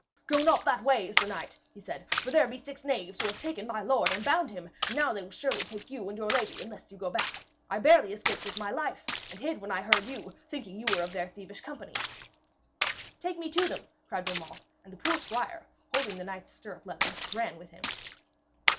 'Go not that way, sir knight,' he said, 'for there be six knaves who have taken my lord and bound him, and now they will surely take you and your lady unless you go back. I barely escaped with my life, and hid when I heard you, thinking you were of their thievish company.' 'Take me to them!' cried Beaumains, and the poor squire, holding the knight's stirrup leather, ran with him.